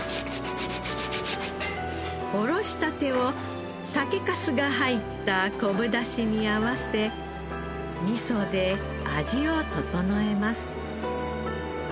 おろしたてを酒粕が入った昆布出汁に合わせみそで味を調えます。